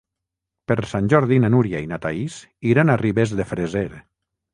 Per Sant Jordi na Núria i na Thaís iran a Ribes de Freser.